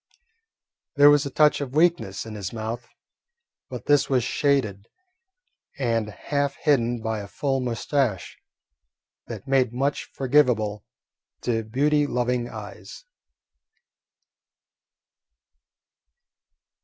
There was a touch of weakness in his mouth, but this was shaded and half hidden by a full mustache that made much forgivable to beauty loving eyes.